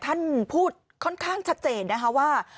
ท่านพูดค่อนข้างชัดเจนนะคะว่า